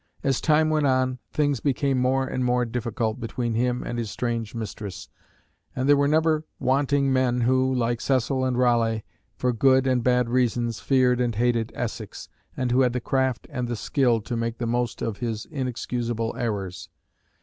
As time went on, things became more and more difficult between him and his strange mistress; and there were never wanting men who, like Cecil and Raleigh, for good and bad reasons, feared and hated Essex, and who had the craft and the skill to make the most of his inexcusable errors.